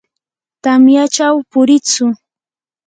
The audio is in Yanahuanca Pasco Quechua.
tamyachaw puriitsu.